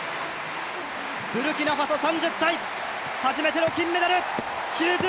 ブルキナファソ、３０歳、初めての金メダル。